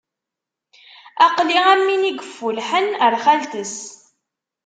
Aql-i am win i yeffulḥen ar xalt-is.